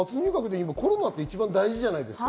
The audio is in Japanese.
コロナって一番大事じゃないですか。